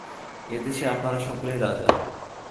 এই দেশে আপনারা সকলেই রাজা।